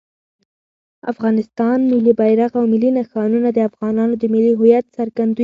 د افغانستان ملي بیرغ او ملي نښانونه د افغانانو د ملي هویت څرګندویي کوي.